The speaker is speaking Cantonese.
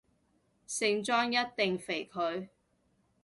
聖莊一定肥佢